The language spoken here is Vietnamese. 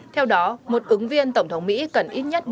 theo đó một ứng viên tổng thống mỹ cần ít nhất một hai trăm một mươi năm